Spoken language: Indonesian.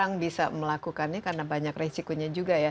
yang bisa melakukannya karena banyak resikonya juga ya